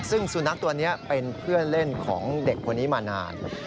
ซึ่งสุนัขตัวนี้เป็นเพื่อนเล่นของเด็กคนนี้มานาน